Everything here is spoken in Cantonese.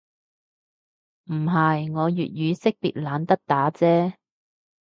唔係，我粵語識別懶得打啫